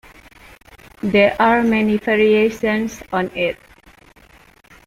There are many variations on it.